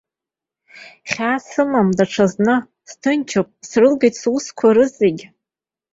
Хьаа сымам даҽазны, сҭынчуп, срылгеит сусқәа рызегь.